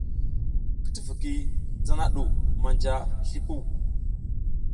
I tifiki zana ɗu manja slipuw.